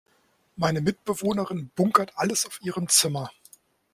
Meine Mitbewohnerin bunkert alles auf ihrem Zimmer.